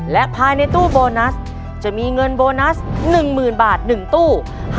และภายในตู้โบนัสจะมีเงินโบนัส๑๐๐๐บาท๑ตู้